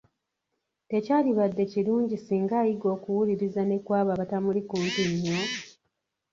Tekyalibadde kirungi singa ayiga okuwuliriza ne kwabo abatamuli nnyo kumpi?